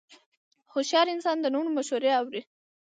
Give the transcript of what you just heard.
هوښیار انسان د نورو مشورې اوري.